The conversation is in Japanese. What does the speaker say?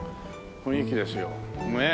雰囲気ですよねえ。